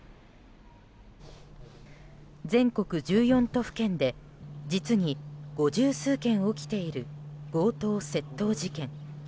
全国１４都府県で実に五十数件起きている強盗・窃盗事件。